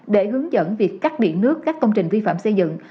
để hướng dẫn việc cắt điện nước các công trình vi phạm xây dựng